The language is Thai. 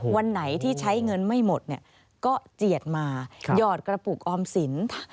วันไหนที่ใช้เงินไม่หมดเนี่ยก็เจียดมาหยอดกระปุกออมสิน